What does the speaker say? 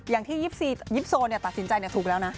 อย่างที่ยิปโซตัดสินใจถูกแล้วนะ